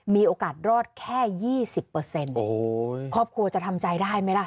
มีโอกาสรอดแค่ยี่สิบเปอร์เซ็นต์โอ้โหครอบครัวจะทำใจได้ไหมล่ะ